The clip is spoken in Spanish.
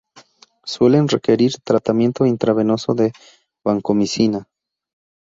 Suelen requerir tratamiento intravenoso de vancomicina.